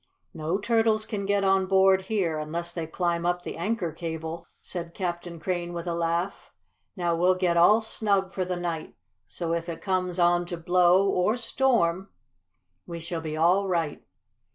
"No turtles can get on board here, unless they climb up the anchor cable," said Captain Crane with a laugh. "Now we'll get all snug for the night, so if it comes on to blow, or storm, we shall be all right."